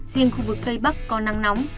riêng khu vực tây bắc có nắng nóng